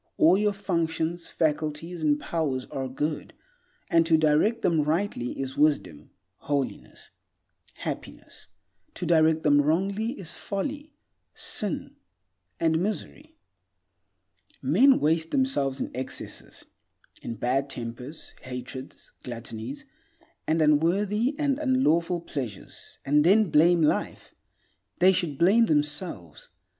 All your functions, faculties, and powers are good, and to direct them rightly is wisdom, holiness, happiness; to direct them wrongly is folly, sin, and misery. Men waste themselves in excesses; in bad tempers, hatreds, gluttonies, and unworthy and unlawful pleasures, and then blame life. They should blame themselves.